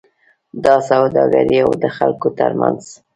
د سوداګرۍاو د خلکو ترمنځ